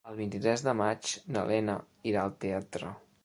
El vint-i-tres de maig na Lena irà al teatre.